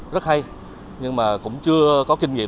rất hay nhưng mà cũng chưa có kinh nghiệm